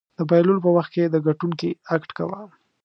د بایللو په وخت کې د ګټونکي اکټ کوه.